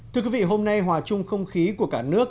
thưa quý vị hôm nay hòa chung không khí của cả nước